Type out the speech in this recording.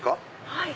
はい。